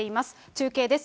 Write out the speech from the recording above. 中継です。